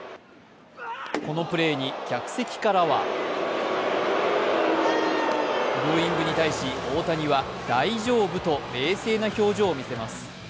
このプレーに客席からはブーイングに対し、大丈夫と冷静な表情を見せます。